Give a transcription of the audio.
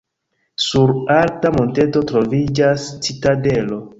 Sur alta monteto troviĝas citadelo.